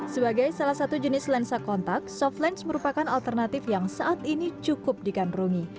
sebagai salah satu jenis lensa kontak soft lens merupakan alternatif yang saat ini cukup digandrungi